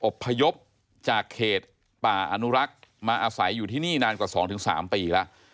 พยพจากเขตป่าอนุรักษ์มาอาศัยอยู่ที่นี่นานกว่า๒๓ปีแล้ว